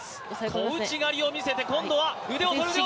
小内刈りを見せて今度は腕を取る！